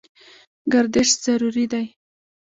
ګردش ضروري دی.